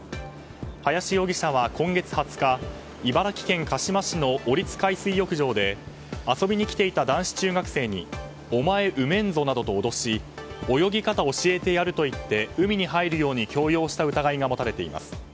林容疑者は、今月２０日茨城県鹿嶋市の下津海水浴場で遊びに来ていた男子中学生にお前埋めんぞなどと脅し泳ぎ方教えてやると言って海に入るように強要した疑いが持たれています。